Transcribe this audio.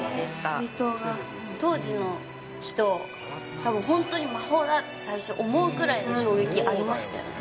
水筒が、当時の人、たぶん、本当に魔法だって、最初思うくらいの衝撃ありましたよね。